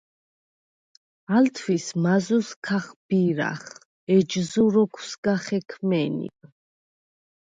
ალ თვის მაზუს ქახბირახ, ეჯზუ როქვ სგა ხექმენივ.